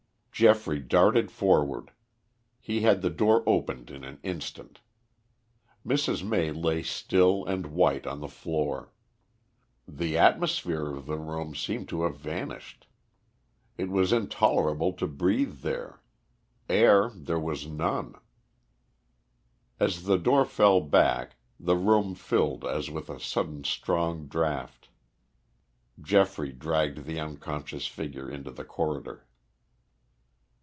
Geoffrey darted forward. He had the door opened in an instant. Mrs. May lay still and white on the floor. The atmosphere of the room seemed to have vanished. It was intolerable to breathe there; air there was none. As the door fell back the room filled as with a sudden strong draught. Geoffrey dragged the unconscious figure into the corridor.